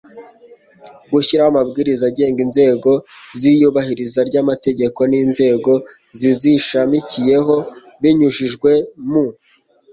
gushyiraho amabwiriza agenga inzego z'iyubahiriza ry'amategeko n'inzego zizishamikiyeho binyujijwe mu